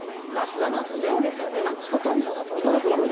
そうですよね、あ、ほとんどの都道府県で。